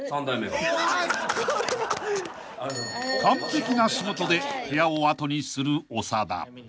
［完璧な仕事で部屋を後にする長田］